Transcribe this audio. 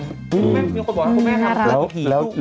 ก็มีคนบอกช่วย่ามีแม่ทำ